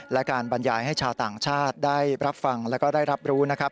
และการบรรยายให้ชาวต่างชาติได้รับฟังแล้วก็ได้รับรู้นะครับ